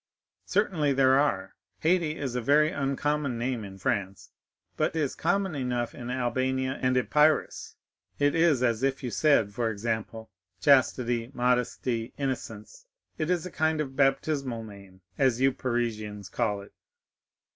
"Certainly there are. Haydée is a very uncommon name in France, but is common enough in Albania and Epirus; it is as if you said, for example, Chastity, Modesty, Innocence,—it is a kind of baptismal name, as you Parisians call it."